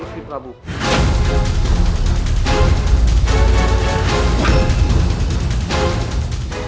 kita akan mencari bantuan